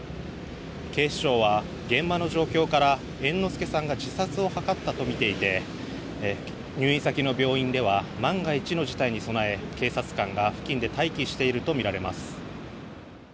警視庁は現場の状況から猿之助さんが自殺を図ったとみていて入院先の病院では万が一の事態に備え警察官が付近で待機しているとみられます。